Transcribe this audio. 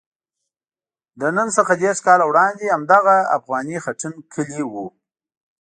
له نن څخه دېرش کاله وړاندې همدغه افغاني خټین کلی وو.